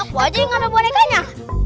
udah aku aja yang mana bonekanya